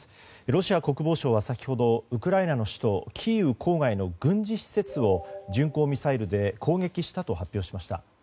ロシア国防省は先ほどウクライナの首都キーウ郊外の軍事施設を巡航ミサイルで攻撃したと発表しました。